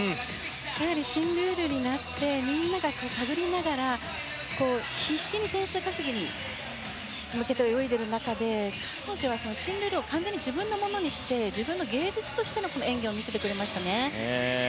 やはり、新ルールになってみんなが探りながら必死に点数稼ぎに向けて泳いでいる中で彼女は新ルールを完全に自分のものにして自分の芸術としての演技を見せてくれましたね。